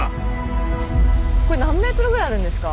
これ何ｍぐらいあるんですか？